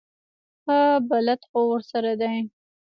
ښه بلد خو ورسره دی.